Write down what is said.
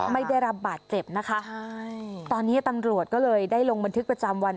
ไม่ได้รับบาดเจ็บนะคะใช่ตอนนี้ตำรวจก็เลยได้ลงบันทึกประจำวัน